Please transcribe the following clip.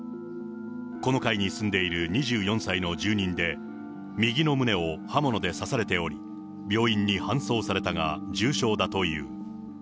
この階に住んでいる２４歳の住人で、右の胸を刃物で刺されており、病院に搬送されたが、重傷だという。